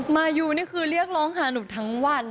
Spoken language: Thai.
มายูนี่คือเรียกร้องหาหนูทั้งวัน